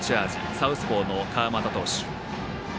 サウスポーの川又投手。